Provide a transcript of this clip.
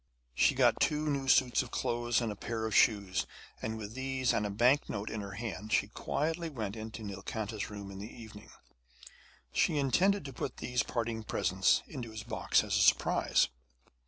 She got two new suits of clothes and a pair of shoes, and with these and a banknote in her hand she quietly went into Nilkanta's room in the evening. She intended to put these parting presents into his box as a surprise.